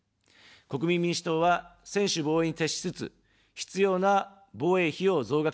国民民主党は、専守防衛に徹しつつ、必要な防衛費を増額します。